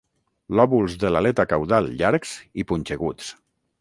Lòbuls de l'aleta caudal llargs i punxeguts.